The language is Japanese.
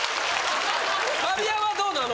神山はどうなの？